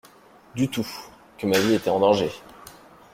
Du tout… que ma vie était en danger.